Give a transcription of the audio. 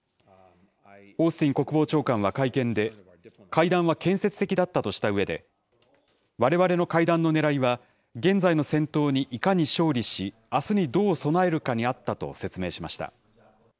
オースティン国防長官は会見で、会談は建設的だったとしたうえで、われわれの会談のねらいは、現在の戦闘にいかに勝利し、あすにどう備えるかにあったと説明しました。